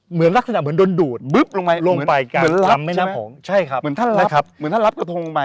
เหมือนท่านลับกระทงไป